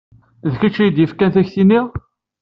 D kečč ay d-yefkan takti-nni?